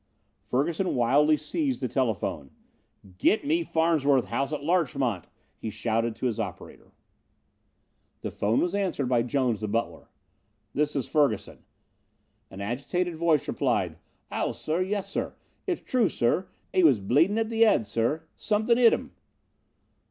Ferguson wildly seized the telephone. "Get me Farnsworth's house at Larchmont!" he shouted to his operator. The phone was answered by Jones, the butler. "This is Ferguson." An agitated voice replied: "'Ow sir, yes sir. It's true, sir. 'E was bleeding at the 'ead, sir. Something 'it 'im."